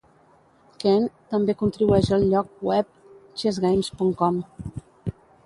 Keene també contribueix al lloc web ChessGames.com.